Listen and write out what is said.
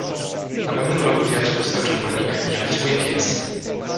Na pewnym rogu wiatr wyskoczył na nich, jak zły pies.